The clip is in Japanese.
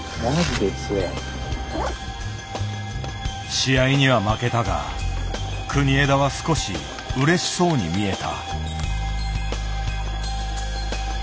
試合には負けたが国枝は少しうれしそうに見えた。